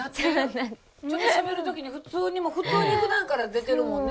ちょっとしゃべる時に普通にふだんから出てるもんね。